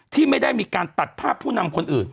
ที่ไม่ได้มีการตัดภาพผู้นำคนอื่น